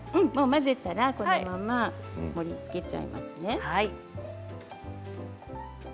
混ぜたらこのまま盛りつけちゃいますね。